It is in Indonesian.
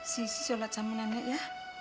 sisi sholat sama nenek ya